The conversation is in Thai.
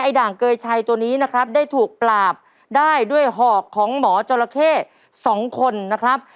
ด่างเกยชัยตัวนี้นะครับได้ถูกปราบได้ด้วยหอกของหมอจราเข้สองคนนะครับ